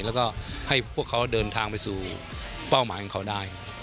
แล้วก็ให้พวกเขาเดินทางไปสู่เป้าหมายของเขาได้